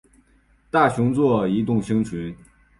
大熊座移动星群